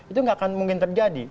itu nggak akan mungkin terjadi